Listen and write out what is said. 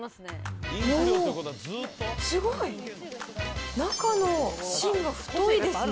おー、すごい。中の芯が太いですね。